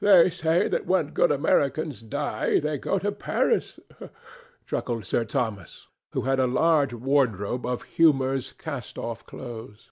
"They say that when good Americans die they go to Paris," chuckled Sir Thomas, who had a large wardrobe of Humour's cast off clothes.